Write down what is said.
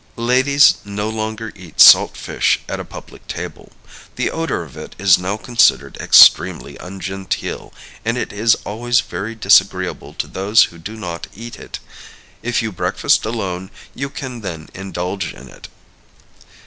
Ladies no longer eat salt fish at a public table. The odor of it is now considered extremely ungenteel, and it is always very disagreeable to those who do not eat it. If you breakfast alone, you can then indulge in it.